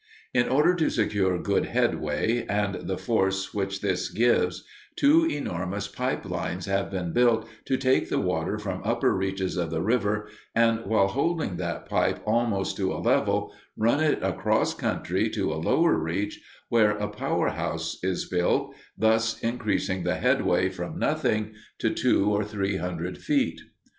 In order to secure good headway, and the force which this gives, two enormous pipe lines have been built to take the water from upper reaches of the river, and, while holding that pipe almost to a level, run it across country to a lower reach, where a power house is built, thus increasing the headway from nothing to two or three hundred feet.